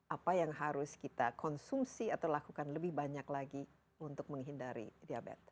apa yang harus kita konsumsi atau lakukan lebih banyak lagi untuk menghindari diabetes